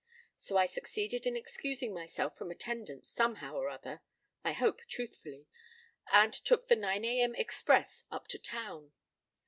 So I succeeded in excusing myself from attendance somehow or other (I hope truthfully) and took the nine a.m. express up to town.